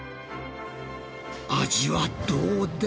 味はどうだ？